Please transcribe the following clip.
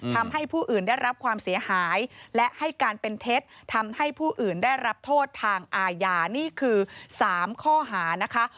ทำให้ผู้อื่นได้รับความเสียหายและให้การเป็นเท็จทำให้ผู้อื่นได้รับโทษทางอาญานี่คือ๓ข้อหานะคะ